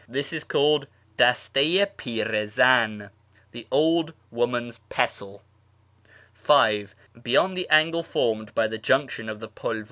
This is called Dasta i Pirc Zan (" the Old Woman's Pestle"). (v) Beyond the angle formed by the junction of the Pulv.